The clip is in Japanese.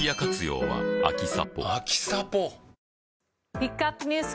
ピックアップＮＥＷＳ